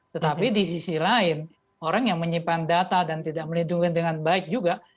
tetapi di sisi lain orang yang menyimpan data dan tidak melindungi dengan baik juga